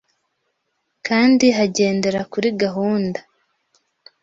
kandi hagendera kuri gahunda